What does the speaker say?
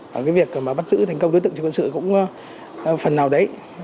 và cái việc mà bắt giữ thành công đối tượng trường quân sự cũng phần nào đấy